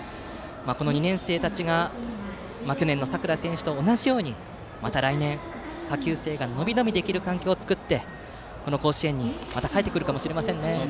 この２年生たちが去年の佐倉選手と同じようにまた来年下級生が伸び伸びできる環境を作ってこの甲子園に帰ってくるかもしれませんね。